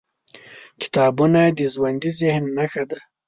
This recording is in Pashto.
کتابونه د ژوندي ذهن نښه ده.